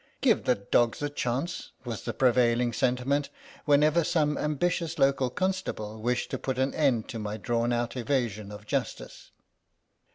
'^ Give the dogs a chance," was the prevailing sentiment, when ever some ambitious local constable wished to put an end to my drawn out evasion of justice.